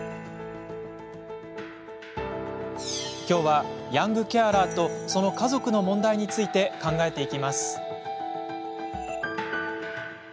きょうは、ヤングケアラーとその家族の問題について考えていきます。